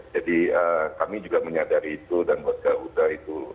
jadi kami juga menyadari itu dan buat garuda itu